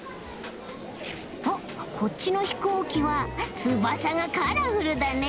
おっこっちのひこうきはつばさがカラフルだね